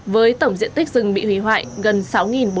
với tổng diện tích rừng bị hủy hoại gần sáu bốn trăm linh m hai